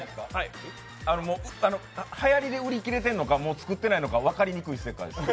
あのはやりで売り切れてるのかもう作ってるのか分かりにくい世界観です。